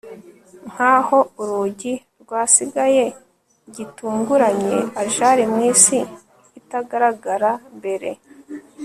Nkaho urugi rwasigaye gitunguranye ajar mwisi itagaragara mbere